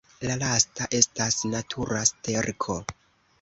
La lasta estas natura sterko.